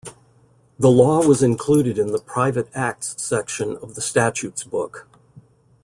The law was included in the "Private Acts" section of the statutes book.